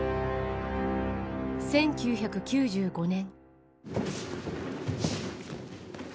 １９９５年。